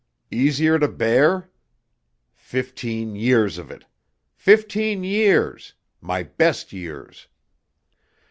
Easier to bear? Fifteen years of it! Fifteen years! My best years!"